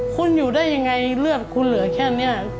คุณอยู่ได้ยังไงเลือดคุณเหลือแค่นี้